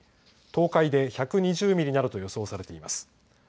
東海で１２０ミリなどと予想されています。